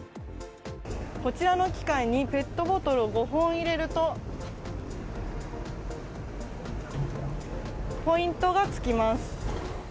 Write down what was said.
こちらの機械にペットボトル５本を入れるとポイントが付きます。